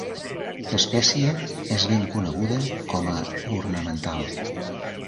L'espècie és ben coneguda com a ornamental.